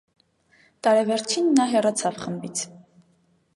Տարեվերջին նա հեռացավ խմբից։